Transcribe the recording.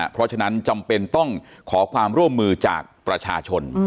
เพราะฉะนั้นจำเป็นต้องขอความร่วมมือจากประชาชน